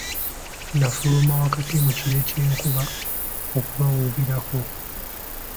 N'afuluma wakati mu kire ky'enkuba okubawuubirako.